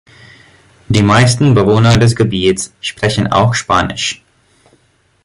Die meisten Bewohner des Gebiets sprechen auch Spanisch.